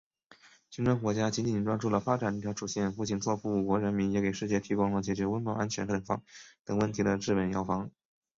金砖国家紧紧抓住发展这条主线，不仅造福五国人民，也给世界提供了解决温饱、安全等问题的治本药方。